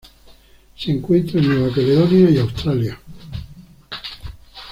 Se encuentra en Nueva Caledonia y Australia.